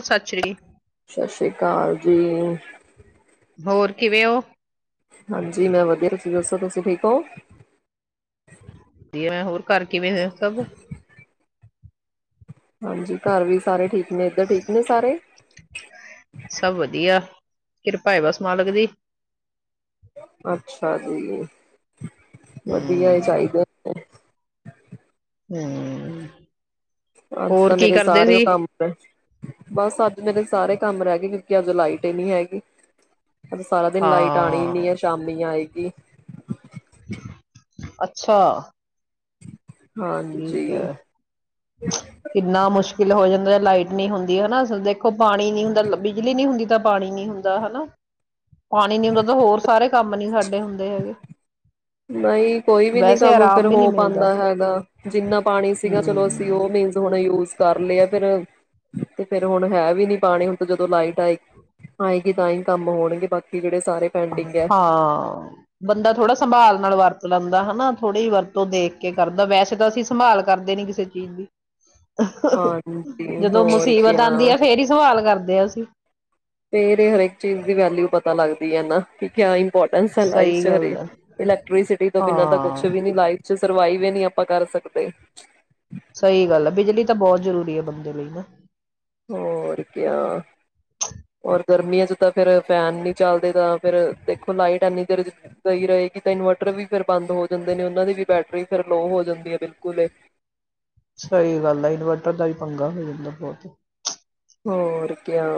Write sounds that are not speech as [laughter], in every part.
ਉਹ ਸੱਚ ਰਹੀ ਸਤਿ ਸ਼੍ਰੀ ਅਕਾਲ ਜੀ ਹੋਰ ਕਿਵੇਂ ਉਹ ਹਾਂਜੀ ਮੈਂ ਵਧੀਆ ਤੁਸੀਂ ਦੱਸੋ ਤੁਸੀਂ ਠੀਕ ਹੋ ਵਧੀਆ ਮੈਂ ਹੋਰ ਕਰਕੇ ਕਿਵੇਂ ਸਭ ਹਾਂਜੀ ਘਰ ਵੀ ਸਾਰੇ ਠੀਕ ਨਹੀਂ ਤਾਂ ਠੀਕ ਨੇ ਸਾਰੇ ਕਿਰਪਾਏ ਵਸਾਲਕਦੀ ਅੱਛਾ ਦੀ ਵਧੀਆ ਹਮ ਚਾਹੀਦਾ ਹੂੰ ਅੱਜ ਤਾਂ ਮੇਰੇ ਸਾਰੇਓ ਕੰਮ ਹੈ ਬਸ ਅੱਜ ਮੇਰੇ ਸਾਰੇ ਕੰਮ ਰਹਿ ਗਏ ਕਿਉਂਕਿ ਅਜ ਲਾਈਟ ਹੀ ਨਹੀਂੀ ਹੈਗੀ ਅਜ ਸਾਰਾ ਦਿਨ ਲਾਈਟ ਆਉਣੀ ਹਾਂ ਨੀ ਆ ਸ਼ਾਮੀ ਆਏਗੀ ਹ ਅੱਛਾ ਅ ਠੀਕ ਹੈ ਕਿੰਨਾ ਮੁਸ਼ਕਿਲ ਹੋ ਜਾਂਦਾ ਲਾਈਟ ਨਹੀਂੀ ਹੁੰਦੀ ਹਨਾ ਦੇਖੋ ਪਾਣੀ ਨੀ ਹੁੰਦਾ ਬਿਜਲੀ ਨੀ ਹੁੰਦੀ ਤਾਂ ਪਾਣੀ ਨੀ ਹੁੰਦਾ ਹਨਾ ਪਾਣੀ ਨੀ ਹੁੰਦਾ ਤਾਂ ਹੋਰ ਸਾਰੇ ਕੰਮ ਨੀ ਸਾਡੇ ਹੁੰਦੇ ਹੈਗੇ ਨਹੀਂ ਕੋਈ ਵੀ ਨਹੀਂੀ ਵੈਸੇ ਕੰਮ ਫੇਿਰ ਆਰਾਮ ਵੀ ਨਹੀਂ ਹੋ ਮਿਲਦਾ ਪਾਉਂਦਾ ਹੈਗਾ ਜਿੰਨਾ ਪਾਣੀ ਸੀਗਾ ਚਲੋ ਅਸੀਂ ਹਮ ਉਹ ਮੀਨਜ਼ ਹੁਣ ਯੂਜ ਕਰ ਲਿਆ ਫਿਰ ਤੇ ਫੇਰ ਹੁਣ ਹੈ ਵੀ ਨੀ ਪਾਣੀ ਹੁਣ ਤਾਂ ਜਦੋਂ ਲਾਈਟ ਆਏ ਆਏਗੀ ਤਾਂ ਹੀ ਕੰਮ ਹੋਣਗੇ ਬਾਕੀ ਜਿਹੜੇ ਸਾਰੇ ਪੈਂਡਿੰਗ ਹੈ ਹਾਂ ਬੰਦਾ ਥੋੜਾ ਸੰਭਾਲ ਨਾਲ ਵਰਤ ਲੈਂਦਾ ਹਨਾ ਥੋੜ੍ਹੀ ਜਿਹੀ ਵਰਤੋਂ ਦੇਖ ਕੇ ਕਰਦਾ ਵੈਸੇ ਤਾਂ ਅਸੀਂ ਸੰਭਾਲ ਕਰਦੇ ਨੀ ਕਿਸੇ ਚੀਜ਼ ਦੀ ਹਾਂਜੀ ਜਦੋਂ ਹੋਰ ਮੁਸੀਬਤ ਕਿਆ ਆਉਂਦੀ ਆ ਫੇਰ ਹੀ ਸਵਾਲ ਕਰਦੇ ਆ ਅਸੀਂ ਤੇ ਇਹਦੇ ਹਰੇਕ ਚੀਜ਼ ਦੀ ਵੈਲਿਊ ਪਤਾ ਲੱਗਦੀ ਹੈ ਨਾ ਕਿ ਕਿਆ ਇੋਰਟਸ ਲ ਸਹੀ ਹਰੇ ਗੱਲ ਹੈ ਇਲੈਕਟ੍ਰੀਸਿਟੀ ਤੋਂ ਬਿਨਾਂ ਕੁਛ ਹਾਂ ਵੀ ਨੀ ਲਾਈਫ ਚ ਸਰਵਾਈਵ ਹੀ ਨਹੀਂ ਆਪਾਂ ਕਰ ਸਕਦੇ ਸਹੀ ਗੱਲ ਆ ਬਿਜਲੀ ਤਾਂ ਬਹੁਤ ਜ਼ਰੂਰੀ ਹੈ ਬੰਦੇ ਲਈ ਨਾ ਹੋਰ ਕ ਹੋਰ ਗਰਮੀਆਂ ਚ ਤਾਂ ਫਿਰ ਫੈਨ ਨਹੀਂੀ ਚੱਲਦੇ ਤਾਂ ਫਿਰ ਦੇਖੋ ਲਾਈਟ ਐਨੀ ਦੇਰਈ ਰਹੇਗੀ ਤਾਂ ਇਨਵਰਟਰ ਵੀ ਫਿਰ ਬੰਦ ਹੋ ਜਾਂਦੇ ਨੇ ਉਹਨਾਂ ਦੀ ਵੀ ਬੈਟਰੀ ਫਿਰ ਲੋਅ ਹੋ ਜਾਂਦੀ ਹੈ ਬਿਲਕੁਲ ਸਹੀ ਗੱਲ ਆ ਇਨਵਰਟਰ ਦਾ ਪੰਗਾ ਹੋ ਜਾਂਦਾ ਬਹੁਤ ਹੋਰ ਕਿਆ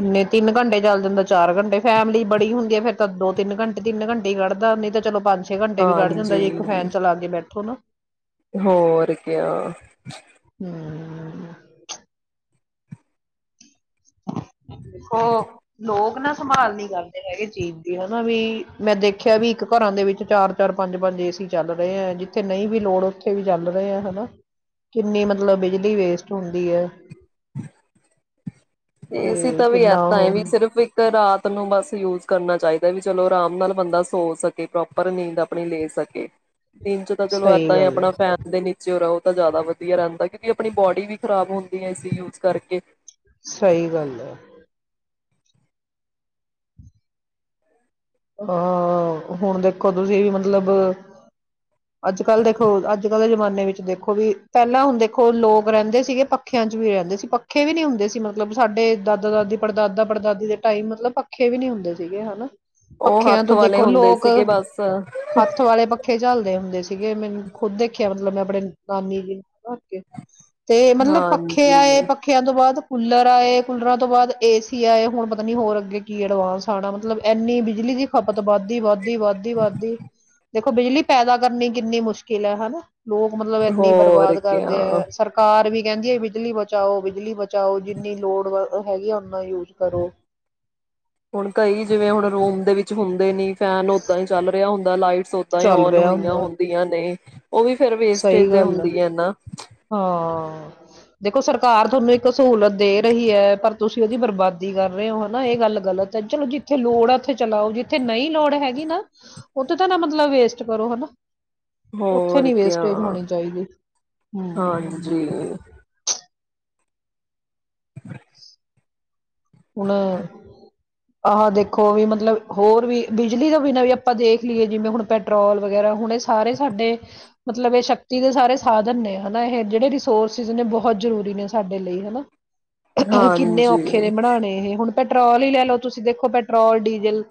ਇੰਨੇ ਤਿੰਨ ਘੰਟੇ ਚੱਲ ਜਾਂਦਾ ਚਾਰ ਘੰਟੇ ਫੈਮਿਲੀ ਬੜੀ ਹੁੰਦੀ ਹੈ ਫੇਰ ਤਾਂ ਦੋ ਤਿੰਨ ਘੰਟੇ ਤਿੰਨ ਘੰਟੇ ਹੀ ਕੱਢਦਾ ਨਹੀਂ ਤਾਂ ਚਲੋ ਪੰਜ ਛੇ ਘੰਟੇ ਵੀੱਢ ਜਾਂਦਾ ਜ ਇੱਕ ਹਾਂਜੀ ਫੈਨ ਚਲਾ ਕੇ ਬਠੇ ਥੋ ਨਾ ਹੋਰ ਕ ਹਮ ਦੇਖੋ ਲੋਕ ਨਾ ਸੰਭਾਲ ਨ ਕਰਦੇ ਹੈਗੇ ਚੀਜ਼ ਦੀ ਹਨਾ ਵੀ ਮੈਂ ਦੇਖਿਆ ਵੀ ਇੱਕ ਘਰਾਂ ਦੇ ਵਿੱਚ ਚਾਰ ਚਾਰ ਪੰਜ ਪੰਜ ਏਸੀ ਚੱਲ ਰਹੇ ਹੈ ਜਿੱਥੇ ਨਹੀਂ ਵੀ ਲੋੜ ਉੱਥੇ ਵੀ ਚੱਲ ਰਹੇ ਹੈ ਹਨਾ ਕਿੰਨੀ ਮਤਲਬ ਬਿਜਲੀ ਵੇਸਟ ਹੁੰਦੀ ਹੈ ਅਸੀਂ ਤੇ ਤਾਂ ਵੀ ਕਿੰਨਾ ਇਦਾਂਏ ਉਹ ਵੀ ਸਿਰਫ ਇੱਕ ਰਾਤ ਨੂੰ ਬਸ ਯੂਜ ਕਰਨਾ ਚਾਹੀਦਾ ਵੀ ਚਲੋ ਆਰਾਮ ਨਾਲ ਬੰਦਾ ਸੋ ਸਕੇ ਪ੍ਰੋਪਰ ਨੀਂਦ ਆਪਣੀ ਲੈ ਸਕੇ ਦਿਨ ਚ ਤਾਂ ਚਲੋ ਸਹੀ ਇੱਦਾਂ ਹੀ ਗੱਲ ਆਪਣਾ ਹੈ ਫੈਨ ਦੇ ਨੀਚੇ ਉ ਤਾਂ ਜ਼ਿਆਦਾ ਵਧੀਆ ਰਹਿੰਦਾ ਕਿਉਂਕਿ ਆਪਣੀ ਬੋਡੀ ਵੀ ਖਰਾਬ ਹੁੰਦੀ ਹੈ ਯੂਜ ਕਰਕੇ ਸਹੀ ਗੱਲ ਆ ਅਹ ਹੁਣ ਦੇਖੋ ਤੁਸੀਂ ਵੀ ਮਤਲਬ ਅੱਜ ਕੱਲ ਦੇਖੋ ਅੱਜ ਕੱਲ੍ਹ ਦੇ ਜਮਾਨੇ ਵਿੱਚ ਦੇਖੋ ਵੀ ਪਹਿਲਾਂ ਹੁਣ ਦੇਖੋ ਲੋਕ ਰਹਿੰਦੇ ਸੀਗੇ ਪੱਖਿਆਂ ਚ ਵੀ ਰਹਿੰਦੇ ਸੀ ਪੱਖੇ ਵੀ ਨੀ ਹੁੰਦੇ ਸੀ ਮਤਲਬ ਸਾਡੇ ਦਾਦਾ ਦਾਦੀ ਪੜਦਾਦਾ ਪੜਦਾਦੀ ਦੇ ਟਾਈਮ ਮਤਲਬ ਪੱਖੇ ਵੀ ਨਹੀਂੀ ਹੁੰਦੇ ਸੀਗੇ ਹਨਾ ਉਹ ਪੱਖਿਆਂ ਹੱਥ ਤੋਂ ਵਾਲੇ ਦੇਖੋ ਹੁੰਦੇ ਲੋਕ ਸੀਗੇ ਬਸ ਹੱਥ ਵਾਲੇ ਪੱਖੇ ਝਲਦੇ ਹੁੰਦੇ ਸੀਗੇ ਮੈਨੂੰ ਖੁੱਦ ਦੇਖਿਆ ਮਤਲਬ ਮੈਂ ਆਪੜਣੇ ਨਾਮੀ ਦੀ ਤੇ ਮਤਲਬ ਪੱਖੇ ਹਾਂਜੀ ਆਏ ਪੱਖਿਆਂ ਤੋਂ ਬਾਅਦ ਕੂਲਰ ਆਏ ਕੂਲਰਾਂ ਤੋਂ ਬਾਅਦ ਏਸੀ ਆਏ ਹੁਣ ਪਤਾ ਨੀ ਹੋਰ ਅੱਗੇ ਕੀ ਐਡਵਾਂਸ ਆਉਣਾ ਮਤਲਬ ਐੰਨੀ ਬਿਜਲੀ ਦੀ ਖਪਤ ਵੱਦੀ ਵੱਦੀ ਵੱਦੀ ਵੱਧਦੀ ਦੇਖੋ ਬਿਜਲੀ ਪੈਦਾ ਕਰਨੀ ਕਿੰਨੀ ਮੁਸ਼ਕਿਲ ਹੈ ਹਨਾ ਲੋਕ ਮਤਲਬ ਇੰਨੀ ਹੋਰ ਬਰਬਾਦ ਕਰਦੇ ਕਿਆ। ਹੈ ਸਰਕਾਰ ਵੀ ਕਹਿੰਦੀ ਆ ਬਿਜਲੀ ਬਚਾਓ ਬਿਜਲੀ ਬਚਾਓ ਜਿੰਨੀ ਲੋੜ ਹੈਗੀ ਓਨਾ ਯੂਜ ਕਰੋ ਹੁਣ ਕਈ ਜਿਵੇਂ ਹੁਣ ਰੋਮ ਦੇ ਵਿੱਚ ਹੁੰਦੇ ਨੇ ਫੈਨ ਓਦਾਂ ਹੀ ਚੱਲ ਰਿਹਾ ਹੁੰਦਾ ਲਾਈਟਸ ਓਦਾਂ ਹੀ ਚੱਲ ਔਨ ਰਿਹਾ ਹੋਈਆਂ ਹੁੰਦਾ ਹੁੰਦੀਆਂ ਨੇ ਉਹ ਵੀ ਫੇਿਰ ਵੇਸਟੇਜ ਸਹੀ ਦੇ ਗੱਲ ਹੁੰਦੀ ਆ ਨਾ ਹਾਂ ਦੇਖੋ ਸਰਕਾਰ ਤੁਹਾਨੂੰ ਇੱਕ ਸਹੂਲਤ ਦੇ ਰਹੀ ਹੈ ਪਰ ਤੁਸੀਂ ਉਹਦੀ ਬਰਬਾਦੀ ਕਰ ਰਹੇ ਹੋ ਹਨਾ ਇਹ ਗੱਲ ਗਲਤ ਹੈ ਚਲੋ ਜਿੱਥੇ ਲੋੜ ਹੈ ਉੱਥੇ ਚਲਾਓ ਜਿੱਥੇ ਨਹੀਂ ਲੋੜ ਹੈਗੀ ਨਾ ਉੱਥੇ ਤਾਂ ਨਾ ਮਤਲਬ ਵੇਸਟ ਕਰੋ ਹਨਾ ਉੱਥੇ ਹੋਰ ਨਹੀਂ ਵੇਸਟੇਜ ਕਿਆ। ਹੋਣੀ ਚਾਹੀਦੀ ਹਮ ਹਾਂਜੀ [inaudible] ਹੁਣ, ਆਹ ਦੇਖੋ ਵੀ ਮਤਲਬ ਹੋਰ ਵੀ ਬਿਜਲੀ ਤੋਂ ਬਿਨਾਂ ਵੀ ਆਪਾਂ ਦੇਖ ਲਈਏ ਜਿਵੇਂ ਹੁਣ ਪੈਟਰੋਲ ਵਗੈਰਾ ਹੁਣ ਏ ਸਾਰੇ ਸਾਡੇ ਮਤਲਬ ਏ ਸ਼ਕਤੀ ਦੇ ਸਾਰੇ ਸਾਧਨ ਨੇ ਹਨਾ ਏਹ ਜੇੜੇ ਰਿਸੋਰਸਿਸ ਨੇ ਬਹੁਤ ਜ਼ਰੂਰੀ ਨੇ ਸਾਡੇ ਲਈ ਹਨਾ। ਹਾਂਜੀ। ਏਹ ਹੁਣ ਪੈਟਰੋਲ ਈ ਲੈ ਲੋ ਤੁਸੀਂ ਦੇਖੋ ਪੈਟਰੋਲ, ਡੀਜ਼ਲ,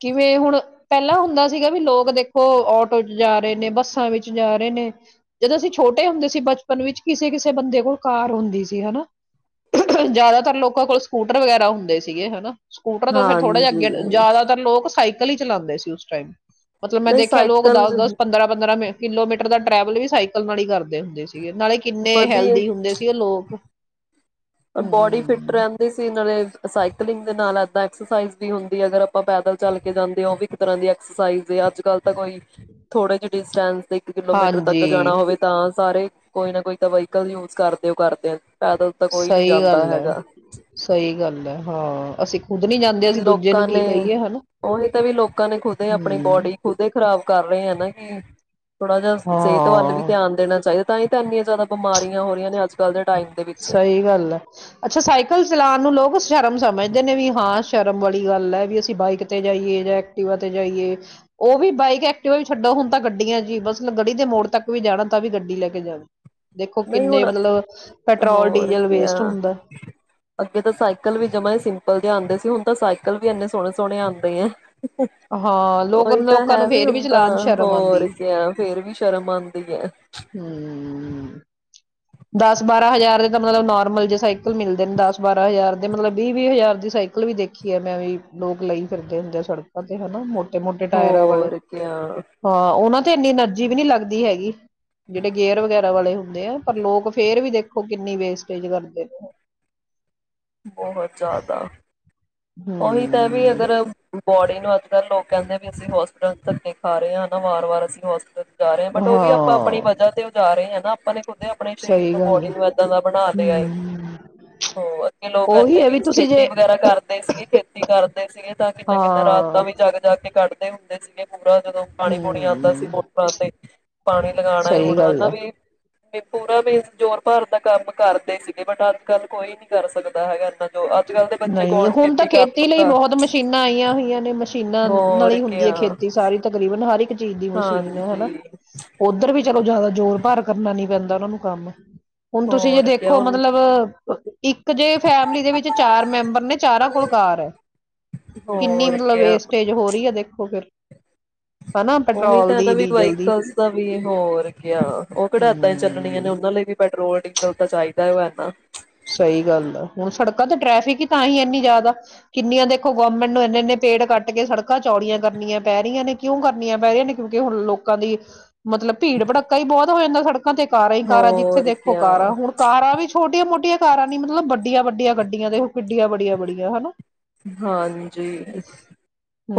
ਕਿਵੇਂ ਹੁਣ ਪੈਲਾਂ ਹੁੰਦਾ ਸੀਗਾ ਵੀ ਲੋਕ ਦੇਖੋ ਔਟੋ ਚ ਜਾ ਰੇ ਨੇ ਬੱਸਾਂ ਵਿੱਚ ਜਾ ਰੇ ਨੇ ਜਦੋਂ ਅਸੀਂ ਛੋਟੇ ਹੁੰਦੇ ਸੀ ਬਚਪਨ ਵਿੱਚ ਕਿਸੇ ਕਿਸੇ ਬੰਦੇ ਕੋਲ ਕਾਰ ਹੁੰਦੀ ਸੀ ਹਨਾ। ਜਿਆਦਾਤਰ ਲੋਕਾਂ ਕੋਲ ਸਕੂਟਰ ਵਗੈਰਾ ਹੁੰਦੇ ਸੀਗੇ, ਹਨਾ। ਸਕੂਟਰ ਤੋਂ ਫੇਰ ਥੋੜ੍ਹਾ ਜਾ ਹਾਂਜੀ ਅੱਗੇ ਜ਼ਿਆਦਾਤਰ ਲੋਕ ਸਾਈਕਲ ਕਲੀ ਚਲਾਂਦੇ ਸੀ ਉਸ ਟਾਈਮ। ਮਤਲਬ ਮੈਂ ਨਹੀਂ ਦੇਖਐ ਲੋਕ ਸਾਈਕਲ ਦਸ ਦਸ ਪੰਦਰਾਂ ਪੰਦਰਾਂ ਮੇਂ ਕਿਲੋਮੀਟਰ ਦਾ ਟਰੈਵਲ ਵੀ ਸਾਈਕਲ ਨਾਲ ਈ ਕਾਰਦੇ ਹੁੰਦੇ ਸੀ। ਗੇ ਨਾਲੇ ਕਿੰਨੇ ਹੈਲਦੀ ਹੁੰਦੇ ਸੀ ਔ ਲੋਕ। ਆਰ ਬੋਡੀ ਫਿਟ ਹਮ ਰੈਣ ਦੀ ਸੀ ਨਾਲੇ ਸਾਈਕਲਿੰਗ ਦੇ ਨਾਲ ਅ ਐਕਸਰਸਾਈਜ਼ ਵੀ ਹੁੰਦੀ ਅਗਰ ਅਪ ਅਪਾਂ ਪੈਦਲ ਚੱਲ ਕੇ ਜਾਂਦੇ ਆ ਔ ਵੀ ਤਰ੍ਹਾਂ ਦੀ ਐਕਸਰਸਾਇਜ਼ ਏ। ਅੱਜ-ਕੱਲ ਤੇ ਕੋਈ ਥੋੜੇ ਜੇ ਡਿਸਟੈਂਸ। ਇੱਕ ਕਿਲੋਮੀਟਰ ਤੱਕ ਹਾਂਜੀ ਜਾਣਾ ਹੋਵੇ ਤਾਂ ਸਾਰੇ ਕੋਈ ਨਾ ਕੋਈ ਤਾਂ ਵਹੀਕਲ ਯੂਜ ਕਰਦੇ ਔ ਕਰਦੇ ਆ ਪੈਦਲ ਤੱਕ ਸਹੀ ਗੱਲ ਐ ਸਹੀ ਗੱਲ ਐ ਹਾਂ। ਅਸੀਂ ਖੁਦ ਨੀ ਜਾਂਦੇ ਅਸੀਂ ਦੂਜੇ ਨੂੰ ਲੋਕਾਂ ਕੀ ਨੇ ਕਹੀਏ ਹਨਾ ਔਹੀ ਤਾਂ ਵੀ ਲੋਕਾਂ ਨੇ ਖੁਦ ਅਪਣੀ ਹਮ ਬੋਡੀ ਖੁਦ ਖ਼ਰਾਬ ਕਰ ਰਏ ਐ ਨਾ ਕਿ ਥੋੜਾ ਜਾ ਸੇਤ ਵੱਲ ਵੀ ਹਾਂ ਧਿਆਨ ਦੇਣਾ ਚਾਹੀ ਤਾਂਈ ਤੈ ਇੰਨੀਆਂ ਜੈਦਾ ਬਿਮਾਰੀਆਂ ਹੋ ਰਈਆਂ ਨੇ ਅੱਜ ਕੱਲ੍ਹ ਦੇ ਟਾਈਮ ਦੇ ਵਿੱਚ ਸਹੀ ਗੱਲ ਐ। ਅੱਛਾ, ਸਾਈਕਲ ਚਲਾਣ ਨੂੰ ਲੋਕ ਸ਼ਰਮ ਸਮਝਦੇ ਨੇ ਵੀ ਹਾਂ ਸ਼ਰਮ ਵਾਲੀ ਗੱਲ ਐ ਵੀ ਅਸੀਂ ਬਾਈਕ ਤੇ ਜਾਈਏ ਜਾਂ ਐਕਟੀਵਾ ਤੇ ਜਾਈਏ ਔ ਵੀ ਬਾਈਕ ਐਕਟੀਵਾ ਵੀ ਛੱਡੋ ਹੁਣ ਤਾਂ ਗੱਡੀਆਂ ਚ ਈ ਬਸ ਗੜੀ ਦੇ ਮੋੜ ਤੱਕ ਵੀ ਜਾਣਾ ਤਾਂ ਵੀ ਗੱਡੀ ਲੈ ਕੇ ਜਾਂਦ ਦੇਖੋ ਨਹੀਂ ਕਿੰਨੇ ਹੁਣ ਮਤਲਬ ਪੈਟਰੋਲ ਹੋਰ ਡੀਜ਼ਲ ਕਿਆ, ਵੇਸਟ ਹੁੰਦਾ ਅੱਗੇ ਤਾਂ ਸਾਈਕਲ ਵੀ ਜਮਾ ਈ ਸਿੰਪਲ ਜੇ ਆਂਦੇ ਸ ਤਾਂ ਸਾਈਕਲ ਵੀੰ ਐਨੇ ਸੋਣੇ ਸੋਣੇ ਆਂਦ [unintelligible] ਹਾਂ ਲੋਕ ਉਹੀ ਤਾਂ ਲੋਕਾਂ ਹੈ ਨੂੰ ਵੀ ਫੇਰ ਹੁਨ ਚਲਾਉਣ ਚ ਤਾਂ ਹੋਰ ਕਿਆ ਫੇਰ ਵੀ ਸ਼ਰਮ ਆਂ ਹੂੰ। ਦਸ ਬਾਰਾਂ ਹਜ਼ਾਰ ਦੇ ਤਾਂ ਮਤਲਬ ਨੋਰਮਲ ਜੇ ਸਾਈਕਲ ਮਿਲਦੇ ਨੇ, ਦਸ ਬਾਰਾਂ ਹਜ਼ਾਰ ਦੇ ਮਤਲਬ ਵੀਹ-ਵੀਹ ਹਜ਼ਾਰ ਦੀ ਸਾਈਕਲ ਵੀ ਦੇਖੀ ਹੈ ਮੈਂ ਵੀ ਲੋਕ ਲਈ ਫਿਰਦੇ ਹੁੰਦੇ ਆ ਸੜਕਾਂ ਤੇ ਹਨਾ ਮੋ ਮੋਟੇ-ਮੋਟੇ ਟਾਇਰਾਂ ਵਾਲੇ ਹੋਰ ਕਿਆ ਹਾਂ ਉਹ ਨਾਂ ਤੇ ਇੰਨੀ ਐਨਰਜੀ ਵੀ ਨੀ ਲੱਗਦੀ ਹੈਗੀ। ਜਿਹੜੇ ਗੇਅਰ ਵਗੈਰਾ ਵਾਲੇ ਹੁੰਦੇ ਆ ਪਰ ਲੋਕ ਫੇਰ ਵੀ ਦੇਖੋ ਕਿੰਨੀ ਵੇਸਟੇਜ ਕਰਦੇ ਨੇ। ਬਹੁਤ ਜ਼ਿਆਦਾ, ਉਹੀ ਤਾਂ ਵੀ ਹਮ ਅਗਰ ਬੋਡੀ ਨੂੰ ਅੱਜ ਕੱਲ੍ਹ ਲੋਕ ਕਹਿੰਦੇ ਵੀ ਅਸੀਂ ਹੋਸਪਿਟਲ ਧੱਕੇ ਖਾ ਰਹੇ ਹਾਂ। ਵੀ ਵਾਰ-ਵਾਰ ਅਸੀਂ ਹੌਸਪੀਟਲ ਜਾ ਰਹੇ ਆਂ ਬਟ ਉਹ ਵੀ ਆਪਾਂ ਆਪਣੀ ਹਾਂ ਵਜ੍ਹਾ ਤੇ ਜਾ ਰਹੇ ਆਂ। ਆਪਾਂ ਨੇ ਖੁਦੇ ਆਪਣੇ ਸਰੀਰ ਸਹੀ ਨੂੰ ਗੱਲ ਬੋਡੀ ਹੈ ਨੂੰ ਏਦਾਂ ਦਾ ਬਣਾ ਲਿਆ ਐ। ਹਮ ਹੋਰ ਲੋਕ ਉਹੀ ਇੰਨੇ ਹੈ ਵੀ ਮੀਨ ਤੁਸੀਂ ਜੇ ਖੇਤੀ ਵਗੈਰਾ ਕਰਦੇ ਸੀਗੇ, ਖੇਤੀ ਕਰਦੇ ਸੀਗੇ ਤਾਂ ਕਿੰਨਾ ਕਿੰਨਾ ਹਾਂ ਰਾਤਾਂ ਵੀ ਜਗ ਜਾ ਕੇ ਕੱਢਦੇ ਹੁੰਦੇ ਸੀਗੇ। ਪੂਰਾ ਜਦੋਂ ਪਾਣੀ ਪੂਣੀ ਆਂਦਾ ਸੀ ਹਮ ਮੋਟਰਾਂ ਤੇ, ਪਾਣੀ ਲਗਾਉਣਾ ਸਹੀ ਹੁਣ ਗੱਲ ਹਨਾ ਆ ਵੀ ਵੀ ਪੂਰਾ ਵੀ ਜ਼ੋਰ ਭਾਰ ਦਾ ਕੰਮ ਕਰਦੇ ਸੀਗੇ ਬਟ ਅੱਜ ਕੱਲ ਕੋਈ ਨੀ ਕਰ ਸਕ ਦਾ ਹੈਗਾ [unintelligible] ਦੇ ਬੱਚੇ ਨਹੀਂ ਕੌਣ ਹੁਣ ਤਾਂ ਕਰ ਖੇਤੀ ਲਈ ਲੂਗਾ। ਬਹੁਤ ਮਸ਼ੀਨਾਂ ਆਈਆਂ ਹੋਈਆਂ ਨੇ, ਮਸ਼ੀਨਾਂ ਨਾਲ ਹੋਰ ਹੀ ਹੁੰਦੀ ਹੈ ਕਿਆ ਖੇਤੀ ਸਾਰੀ, ਤਕਰੀਬਨ ਹਰ ਇੱਕ ਚੀਜ਼ ਦੀ ਮਸ਼ੀਨ ਹਨਾ, ਹਾਂਜੀ ਉੱਧਰ ਵੀ ਚਲੋ ਜ਼ਿਆਦਾ ਜ਼ੋਰ ਭਾਰ ਕਰਨਾ ਨੀ [unintelligible] ਉਹਨਾਂ ਨੂੰ ਕੰਮ ਹੁਣ ਤੁਸੀਂ ਜੇ ਹੋਰ ਕਿਆ ਦੇਖੋ ਹੁਣ ਮਤਲਬ ਇੱਕ ਜੇ ਫੈਮਿਲੀ ਦੇ ਵਿੱਚ ਚਾਰ ਮੈਂਬਰ ਨੇ ਚਾਰਾਂ ਕੋਲ ਕਾਰ ਐ। ਕਿੰਨੀ ਹੋਰ ਮਤਲਬ ਕਿਆ ਵੇਸਟੇਜ ਹੋ ਰਹੀ ਹੈ ਦੇ। [unintelligible] ਉਹੀ ਤਾਂ ਹੈ ਨਾ ਵੀ ਵਹੀਕਲ ਦਾ ਵੀ, ਹੋਰ ਗਿਆ ਉਹ ਕੇੜਾ ਏਦਾਂ ਹੀ ਚੱਲਣੀਆਂ ਨੇ, ਹਮ ਉਹਨਾਂ ਲਈ ਵੀ ਪੈਟਰੋਲ ਡੀਜ਼ਲ ਤਾਂ ਚਾਹੀਦਾ ਵਾ ਨਾ। ਸਹੀ ਗੱਲ ਹੈ ਹੁਣ ਸੜਕਾਂ ਤੇ ਟ੍ਰੈਫਿਕ ਹੀ ਤਾਂ ਹੀ ਇੰਨੀ ਜ਼ਿਆਦਾ, ਕਿੰਨੀਆਂ ਦੇਖੋ ਗਵਰਮੈਂਟ ਨੂੰ ਇੰਨੇ ਇੰਨੇ ਪੇੜ ਕੱਟ ਕੇ ਸੜਕਾਂ ਚੌੜੀਆਂ ਕਰਨੀਆਂ ਪੈ ਰਹੀਆਂ ਨੇ, ਕਿਉਂ ਕਰਨੀਆਂ ਪੈ ਰਹੀਆਂ ਨੇ? ਕਿਉਂਕਿ ਹੁਣ ਲੋਕਾਂ ਦੀ ਮਤਲਬ ਭੀੜ ਭੜੱਕਾ ਹੀ ਬਹੁਤ ਹੋ ਜਾਂਦਾ ਸੜਕ ਦੇਖਾ ਤੇ ਕਾਰਾਂ ਹੀ ਕਾਰਾਂ ਜਿੱਥੇ ਹੋਰ ਦੇਖੋ ਕਿਆ ਕਾਰਾਂ, ਹੁਣ ਕਾਰਾਂ ਵੀ ਛੋਟੀਆਂ ਮੋਟ [unintelligible] ਕਾਰਾਂ ਨ ਮਤਲਬੱਡੀਆਂ ਵੱਡੀਆਂ ਗੱਡੀਆਂ ਤੇ ਉਹ ਕਿੱਡੀਆਂ ਵੱਡੀਆਂ-ਬੜੀਆਂ ਹਨਾ। ਹਾਂਜੀ,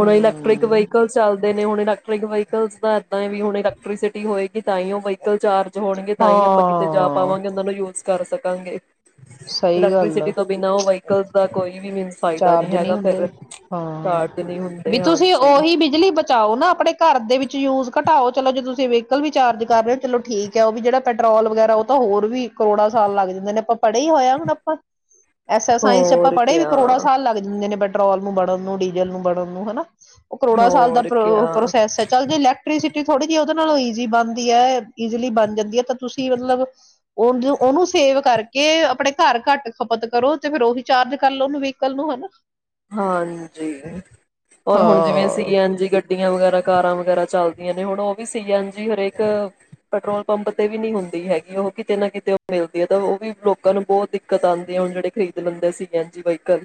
ਹੁਣ ਇਲੈਕਟ੍ਰਿਕ ਵਹੀਕਲ ਚੱਲਦੇ ਨੇ ਹੁਣ ਇਲੈਕ੍ਰਿਕ ਵਾਹਿਕਲਸ ਦਾ ਤੇ ਇਹ ਵੀ ਹੁਨ ਇਲੈਕਟ੍ਰਸਿਟੀ ਹੋਏ ਵੀ ਤਾਹੀਂ ਉਹ ਵਹੀਕਲ ਚਾਰ ਹੋਣਗੇ ਤਾਂ ਹੀ ਆਪਾਂ ਕਿਤੇ ਜਾ ਹਾਂ ਪਾਵਾਂਗੇ, ਉਹਨਾਂ ਨੂੰ ਯੂਜ ਕਰ ਸਕ ਾਂਗੇ ਸਹੀ ਗੱਲ ਇਲੈਕਟ੍ਰੀਸਿਟੀ ਆ ਤੋਂ ਬਿਨਾਂ ਹੋ ਦਾ ਕੋਈ ਵੀ ਮਨ ਚਾਰਜ ਨਹੀਂੀ ਹੁੰਦੇ ਹਾਂ ਸਟਾਰਟ ਨਹੀਂ ਵੀ ਹੁੰਦੇ ਤੁਸੀਂ ਹਾਂਜੀ ਉਹੀ ਬਿਜਲੀ ਬਚਾਓ ਨਾ ਆਪਣੇ ਘਰ ਦੇ ਵਿੱਚ ਯੂਜ ਘਟਾਓ ਚਲੋ ਜੇ ਤੁਸੀਂ ਵਹੀਕਲ ਵੀ ਚਾਰਜ ਕਰ ਰਹੇ ਹੋ ਚਲੋ ਠੀਕ ਹੈ ਉਹ ਵੀ ਜਿਹੜਾ ਪੈਟਰੋਲ ਵਗੈਰਾ ਉਹ ਤਾਂ ਹੋਰ ਵੀ ਕਰੋੜਾਂ ਸਾਲ ਲੱਗ ਜਾਂਦੇ ਨੇ ਆਪਾਂ ਪੜ੍ਹੇ ਹੀ ਹੋਇਆ ਹਣ ਆਪਾਂ ਐਸ ਸਾਇੰਸ ਚ ਆਪਾਂ ਹੋਰ ਪੜ੍ਹੇ ਵੀ ਕਿਆ ਕਰੋੜਾਂ ਸਾਲ ਲੱਗ ਜਾਂਦੇ ਨੇੇ ਪੈਟਰੋਲ ਨੂੰ ਬੜਨ ਨੂੰ ਡੀਜ਼ਲ ਨੂੰ ਬੜਨ ਨੂੰ ਹਨਾ ਉਹ ਕਰੋੜਾਂ ਸਾਲ ਦਾ ਹੋਰ ਪ੍ਰ ਕਿਆ ਪ੍ਰੋਸੈਸ ਹੈ ਚੱਲ ਜੇ ਇਲੈਕਟ੍ਰੀਸਿਟੀ ਥੋੜੀ ਜਿਹੀ ਉਹਦੇ ਨਾਲੋਂ ਈਜ਼ੀ ਬਣਦੀ ਹੈ ਜ਼ਲੀ ਬਣ ਜਾਂਦੀ ਹੈ ਤਾਂ ਤੁਸੀਂ ਮਤਲਬ ਉਹਨ ਉਹਨੂੰ ਸੇਵ ਕਰਕੇ ਆਪਣੇ ਘਰ ਘੱਟ ਖਪਤ ਕਰੋ ਤੇ ਫੇਿਰ ਉਹੀ ਚਾਰਜ ਕਰ ੋ ਨੂੰ ਵੀਕਲ ਨੂੰ ਹਨਾ ਹਾਂਜੀ ਰ ਹੁਣ ਜਿਵੇਂ ਸੀ ਹਾਂ ਐਜੀ ਗੱ ਗੱਡੀਆਂ ਵਗੈਰਾ ਕਾਰਾਂ ਵਗੈਰਾ ਚਲਦੀਆਂ ਨੇ ਹੁਣ ਉਹ ਵੀ ਸੀ ਐਨ ਜੀ ਹਰੇਕ ਪੈਟਰੋਲ ਪੰਪ ਤੇ ਵੀ ਨੀ ਹੁੰਦੀ ਹੈਗੀ ਉਹ ਕਿਤੇ ਨਾ ਕਿਤੇ ਮਿਲਦੀ ਹੈ ਤਾਂ ਉਹ ਵੀ ਲੋਕਾਂ ਨੂੰ ਬਹੁਤ ਦਿੱਕਤ ਆਉਂਦੀ ਹੈ ਹੁਣ ਜਿਹੜੇ ਖਰੀਦ ਲੈਂਦੇ ਆ ਸੀ ਐਨ ਜੀ ਵਹੀਕਲ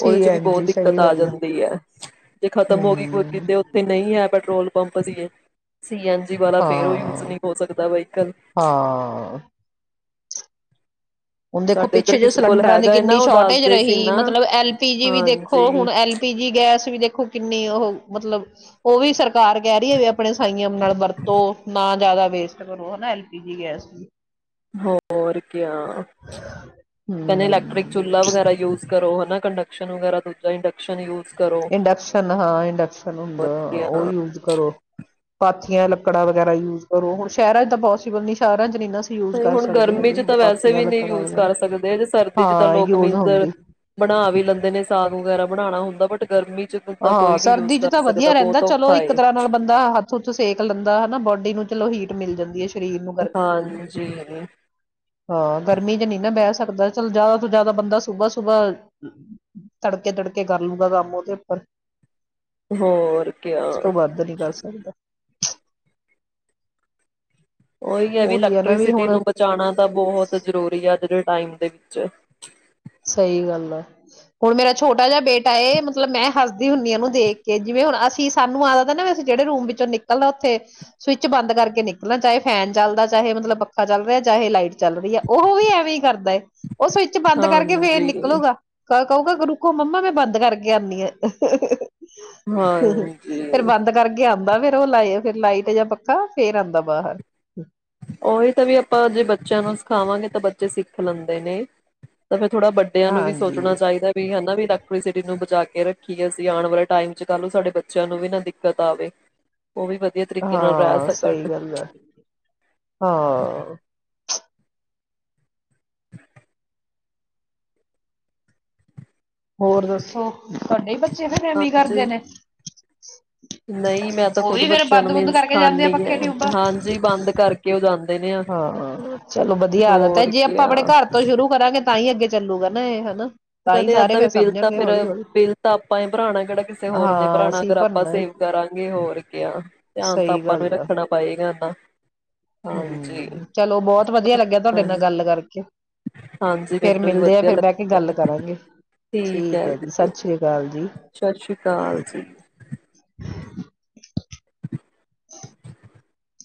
ਉਹਦੇ ਚ ਵੀ ਐਨ ਬਹੁਤ ਜੀ ਦਿੱਕਤ ਸਹੀ ਆ ਗੱਲ ਜਾਂਦੀ ਹੈ ਜੇ ਖਤਮ ਹੋ ਗਈ ਕੋ ਹੂੰ, ਕਿਤੇ ਉੱਥੇ ਨਹੀਂ ਹੈ ਪੈਟਰੋਲ ਪੰਪਤੀ ਹੈ ਸੀ ਐਨਜੀੀ ਵਾਲਾ ਫੇਰ ਉਹ ਯੂਜ ਹਾਂ, ਨਹੀਂ ਹੋ ਸਕਦਾ ਵਹੀਕਲ ਹਾਂ। ਹੁਣ ਦੇਖੋ ਸਾਡੇ ਇੱਧਰ ਪਿੱਛੇ ਜ ਕਿਸੇ ਕੋਲ ਸਿਲੰਡਰਾਂ ਦੀ ਹੈਗਾ ਹੈ ਨਾ ਕਿੰਨੀ ਉਹ ਸ਼ੋਰਟੇਜ ਦੱਸਦੇ ਸੀ ਰਹੀ ਨਾ ਮਤਲਬ ਐਲ ਪੀ ਜੀ ਵੀ ਦੇਖੋ ਹਾਂਜੀ ਹੁਣ ਐਲ ਪੀ ਜੀ ਗੈਸ ਵੀ ਦੇਖੋ ਕਿੰਨੀ ਉਹ ਮਤਲਬ ਉਹ ਵੀ ਸਰਕਾਰ ਕਹਿ ਰਹੀ ਹੈ ਵੀ ਆਪਣੇ ਸਾਈਆਂ ਨਾਲ ਵਰਤੋ ਨਾ ਜ਼ਿਆਦਾ ਵੇਸਟ ਕਰੋ ਹਨਾ ਐਲਪੀਜੀ ਗੈਸ ਨੂੰ ਹੋਰ ਕਹਿੰਦੇ ਇਲੈਕਟ੍ਰਿਕ ਹੂੰ। ਚੁ ਵਗੈਰਾ ਯੂਜ ਕਰੋ ਹਨਾ ਕੰਡਕਸ਼ਨ ਵਗੈਰਾ ਦੂਜਾ ਇੰਡਕਸ਼ਨ ਯੂ ਇੰਡਕਸ਼ਨ ਹਾਂ ਇੰਡਕਸ਼ਨ ਹੁੰਦਾ ਉਹ ਯੂਜ ਕਰੋ ਲੱਕੜਾ ਵਗੈਰਾ ਯੂਜ ਕਰੋ ਹੁਣ ਸ਼ਹਿਰਾਂਚ ਤਾਂ ਪੋਸੀਬਲ ਨੀ ਸ਼ਹਿਰਾਂ ਚ ਨੀ ਨਾ ਅਸੀਂ ਯੂਜ ਕਰ ਹੁਣ ਸਕਦੇ ਗਰਮੀ ਹੈਗੇ ਚ ਹੁਣ ਤਾਂ ਵੈਸੇ ਪਾਥੀਆਂ ਵੀ ਨਹੀਂ ਲੱਕੜਾਂ ਯੂਜ ਵਗੈਰਾ ਕਰ ਸਕਦੇੇ ਸਰਦੀ ਚ ਤਾਂ ਹਾਂ ਲੋਕ ਯੂਜ ਮਿੰਜ਼ਰ ਹੁੰਦੀ ਬਣਾ ਵੀ ਲੈਂਦੇ ਨੇ ਸਾਗ ਵਗੈਰਾ ਬਣਾਣਾ ਹੁੰਦਾ ਬ ਗਰਮੀ ਚ ਤਾਂ ਹਾਂ ਕੋਈ ਨੀ ਯੂਜ ਸਰਦੀ ਕਰ ਚ ਤਾਂ ਸਕਦਾ ਵਧੀਆ ਰਹਿੰਦਾ ਬਹੁਤ ਚਲੋ ਔਖਾ ਇੱਕ ਏ ਤਰ੍ਹਾਂ ਨਾਲ ਬੰਦਾ ਹੱਥ ਹੱਥ ਸੇਕ ਲੈਂਦਾ ਹਨਾ ਬੋਡੀ ਨੂੰ ਚਲੋ ਹੀਟ ਮਿਲ ਜਾਂਦੀ ਹੈ ਸਰੀਰ ਨੂੰ ਗਰ ਹਾਂਜੀ ਹਾਂ ਗਰਮੀ ਚ ਨ ਨਾ ਬਹਿਸ ਸਕਦਾ ਚਲ ਜਿਆਦਾ ਤੋਂ ਜਿਆਦਾ ਬੰਦਾ ਸੁਬਾ ਸੁਬਾਹ ਤੜਕੇ ਤੜਕੇ ਕਰ ਲੂਗਾ ਕੰਮ ਉਹਦੇ ਉੱਪਰ ਹੋਰ ਕਿਆ ਉਸ ਤੋਂ ਵੱਧ ਨੀ ਕਰ ਸਕਦਾ ਉਹੀ ਹੈ ਵੀ ਨਾ ਵੀ ਇਲੈਕਟ੍ਰੀਸਿਟੀ ਹੁਣ ਨੂੰ ਬਚਾਉਣਾ ਤਾਂ ਬਹੁਤ ਜਰੂਰੀ ਆ ਜੇ ਟਾਈਮ ਦੇ ਵਿੱਚ। ਸਹੀ ਗੱਲ ਆ ਹੁਣ ਮੇਰਾ ਛੋਟਾ ਜਿਹਾ ਬੇਟਾ ਮਤਲਬ ਮੈਂ ਹੱਸਦੀ ਹੁੰਦੀ ਆਨੂੰ ਦੇਖ ਕੇ ਜਿਵੇਂ ਹੁਣ ਅਸੀਂ ਸਾਨੂੰ ਆਦਤ ਨਾ ਅਸੀਂ ਜਿਹੜੇ ਰੂਮ ਵਿੱਚੋਂ ਨਿਕਲਣਾ ਉੱਥੇ ਸਵਿੱਚ ਬੰਦ ਕਰਕੇ ਨਿਕਲਣਾ ਚਾਹੇ ਫੈਨ ਚੱਲਦਾ ਚਾਹੇ ਮਤਲਬ ਪੱਖਾ ਚੱਲ ਰਿਹਾ ਚਾਹੇ ਲਾਈਟ ਚੱਲ ਰਹੀ ਹੈ ਉਹ ਵੀ ਐਵੇਂ ਹੀ ਕਰਦਾ ਹੈ। ਉਹ ਸਵਿੱਚ ਬੰਦ ਕਰਕੇ ਫ ਹਾਂਜੀ ਨਿਕਲੂਗਾ। ਕਹਗਾ ਗ ਰੁਕੋ ਮੰਮਾ ਮੈਂ ਬੰਦ ਕਰਕੇ ਆਉਂਦੀ ਆ। ਫੇਿਰ ਹਾਂਜੀ, ਬੰਦ ਕਰਕੇ ਆਉਂਦਾ ਦਾ ਫਿਰ ਉਹ ਲ ਫ ਲਾਈਟ ਜਾਂ ਪੱਕਾ ਫੇਰ ਆਉਂਦਾ ਬਾਹਰ। ਉਹੀ ਤਾਂ ਵੀ ਆਪਾਂ ਜੇ ਬੱਚਿਆਂ ਨੂੰ ਸਿਖਾਵਾਂਗੇ ਤਾਂ ਬੱਚੇ ਸਿੱਖ ਲੈਂਦੇ ਨੇ ਤਾਂ ਫਿਰ ਥੋੜਾ ਵੱਡਿਆਂ ਨੂੰ ਵੀ ਸੋਚਣਾ ਹਾਂਜੀ ਚਾਹੀਦਾ ਵੀ ਹਨਾ ਵੀ। ਇਲੈਕਟ੍ਰੀਸਿਟੀ ਨੂੰ ਬਚਾ ਕੇ ਰੱਖੀ ਅਸੀਂ ਆਉਣ ਵਾਲੇ ਟਾਈਮ ਚ ਕ ਨੂੰ ਸਾਡੇ ਬੱਚਿਆਂ ਨੂੰ ਵੀ ਨਾ ਦਿੱਕਤ ਆਵੇ। ਉਹ ਵੀ ਵਧੀਆ ਤਰੀਕੇ ਨਾਲ ਰਹਿ ਹਾਂ ਸਕਣ ਸਹੀ ਗੱਲ ਆ ਹਾਂ। ਹੋਰ ਦੱਸੋ ਤੁਹਾਡੇ ਹੀ ਬੱਚੇ ਫਿਰ ਐਮੀੀ ਕਰਦੇ ਹਾਂਜੀ, ਨੇ। ਹ [unintelligible] ਨਹੀਂ ਮੈਂ ਤਾਂ ਖੁਦ ਬੱਚਿਆਂ ਨੂੰ ਵੀ ਕਰਕੇ ਜਾਂਦੇ ਆ ਸਿਖਾਉਦੀ ਪੱਖੇ ਹ ਟਿਊਬਾਂ। ਹਾਂਜੀ ਬੰਦ ਕਰਕੇ ਕਿਉਂਦਾਦਾ। ਹਾਂ ਚਲੋ ਵਧੀਆ ਆਦਾਤ ਤੇ ਹੋਰ ਜੇ ਆਪਾਂ ਆਪਣੇ ਕਿਆ ਘਰ ਤੋਂ ਸ਼ੁਰੂ ਕਰਾਂਗੇ ਤਾਂ ਹੀ ਅੱਗੇ ਚੱਲੂਗਾ। ਨਾ ਇਹ ਹਨਾ। ਤਾਂ ਹੀ ਸਾਰੇ ਇਏਦਾਂ ਵੀ ਫਿਰ ਬਿੱਲ ਤਾਂ ਸਮਝਣਗੇ ਫਿਰ ਹੌਲੀ ਹੌਲੀ ਬਿੱਲ ਤਾਂ ਆਪਾਂ ਹੀ ਭਰਾਣਾ ਕਿਹੜਾ ਕਿਸੇ ਹੋਰ ਨੇ ਹਾਂ ਭਰਾਣਾ ਅਸੀਂ ਅਗਰ ਆਪਾਂ ਭਰਨਾ ਸੇਵ ਕਰਾਂਗੇ। ਹੋਰ ਕ ਧਿਆਨ ਤਾਂ ਸਹੀ ਆਪਾਂ ਨੂੰ ਗੱਲ ਆ। ਰੱਖਣਾ ਪਏਗਾ ਇਨਾ। ਹਮ ਚਲੋ ਬਹੁਤ ਵਧੀਆ ਲੱਗਿਆ ਤੁਹਾਡੇ ਹਾਂ ਨਾਲ ਗੱਲ ਕਰਕੇ। ਹਾਂਜੀ ਫੇਰ ਮੈਨੂੰ ਵੀ ਮਿਲਦੇ ਆ ਵਧੀਆ ਫੇਰ ਬਹਿ ਲੱਗ ਕੇ ਗੱਲ ਕਰਾਂਗੇ। ਠੀਕ ਹੈ। ਜੀ ਸਤਿ ਸ੍ਰੀ ਅਕਾਲ ਜੀ। ਸ਼੍ਰੀ ਅਕਾਲ ਜੀ। [inaudible]